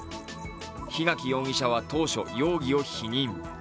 檜垣容疑者は当初、容疑を否認。